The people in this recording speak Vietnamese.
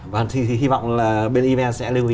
và thì hy vọng là bên even sẽ lưu ý